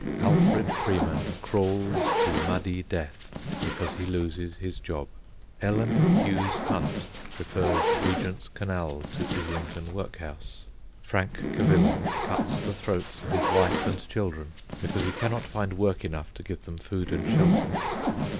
Alfred Freeman crawls to muddy death because he loses his job. Ellen Hughes Hunt prefers Regent's Canal to Islington Workhouse. Frank Cavilla cuts the throats of his wife and children because he cannot find work enough to give them food and shelter.